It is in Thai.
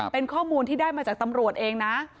เป็นข้อมูลที่ได้มาจากตำรวจเองนะ